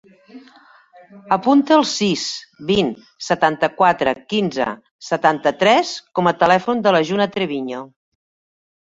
Apunta el sis, vint, setanta-quatre, quinze, setanta-tres com a telèfon de la Juna Treviño.